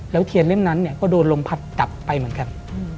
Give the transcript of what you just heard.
เทียนเล่มนั้นก็โดนลมพัดตับไปเหมือนกัน